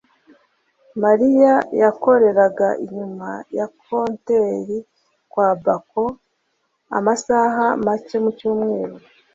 Mariya yakoreraga inyuma ya compteur kwa Bacon amasaha make mucyumweru